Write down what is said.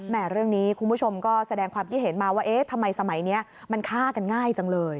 เรื่องนี้คุณผู้ชมก็แสดงความคิดเห็นมาว่าเอ๊ะทำไมสมัยนี้มันฆ่ากันง่ายจังเลย